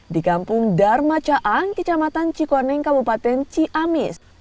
di kampung darmacaang kecamatan cikoneng kabupaten ciamis